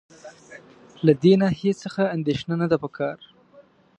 له دې ناحیې څخه اندېښنه نه ده په کار.